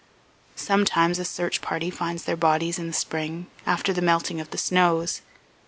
Sometimes a search party finds their bodies in the spring, after the melting of the snows.